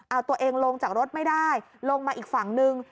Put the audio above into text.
เอาตัวเองลงจากรถไม่ได้ลงมาอีกฝั่งนึง